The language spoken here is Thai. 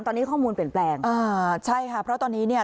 ตอนนี้ข้อมูลเปลี่ยนแปลงอ่าใช่ค่ะเพราะตอนนี้เนี่ย